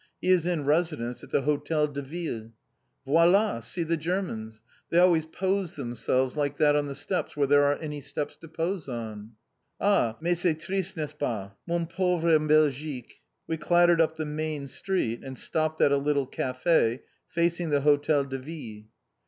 He is in residence at the Hôtel de Ville. Voilà! See the Germans. They always pose themselves like that on the steps where there are any steps to pose on. Ah, mais c'est triste n'est ce pas? Mon pauvre Belgique!" We clattered up the main street and stopped at a little café, facing the Hotel de Ville.